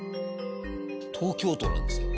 東京都なんですよ。